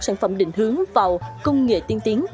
sản phẩm định hướng vào công nghệ tiên tiến